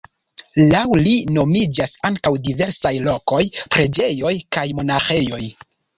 Laŭ li nomiĝas ankaŭ diversaj lokoj, preĝejoj kaj monaĥejoj.